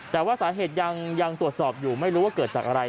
แต่ว่าสาเหตุยังตรวจสอบอยู่ไม่รู้ว่าเกิดจากอะไร